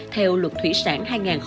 theo luật thủy sản hai nghìn một mươi bảy